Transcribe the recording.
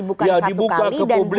bukan satu kali